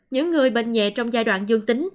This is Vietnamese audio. những người bệnh nhẹ trong giai đoạn dương tính